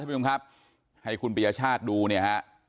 ท่านผู้ชมครับให้คุณประชาติดูเนี่ยครับ